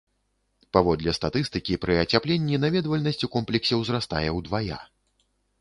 Паводле статыстыкі, пры ацяпленні наведвальнасць у комплексе ўзрастае ўдвая.